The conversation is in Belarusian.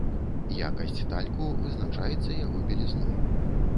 Якасць тальку вызначаецца яго белізной.